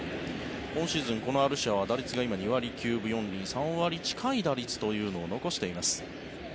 今シーズン、このアルシアは打率が今、２割９分４厘３割近い打率というのを残しています。